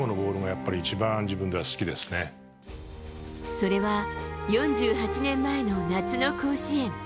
それは４８年前の夏の甲子園。